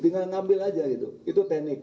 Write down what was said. tinggal ngambil aja itu teknik